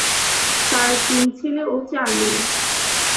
তার তিন ছেলে ও চার মেয়ে।